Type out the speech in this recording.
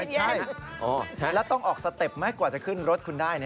ใช่แล้วต้องออกสเต็ปไหมกว่าจะขึ้นรถคุณได้